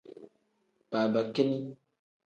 Babakini.